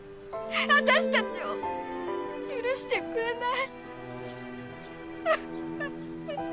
私たちを許してくれない。